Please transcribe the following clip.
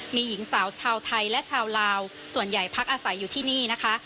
มีหญิงสาวชาวไทยและชาวลาวส่วนใหญ่พักอาศัยอยู่ที่นี่นะคะ